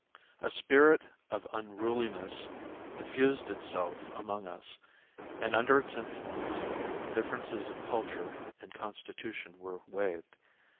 A spirit of unruliness diffused itself among us and, under its influence, differences of culture and constitution were waived.